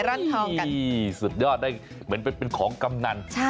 โอ้โหสุดยอดเหมือนเป็นของกำนัน